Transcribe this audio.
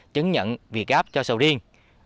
chứng nhận việt gáp cho sầu riêng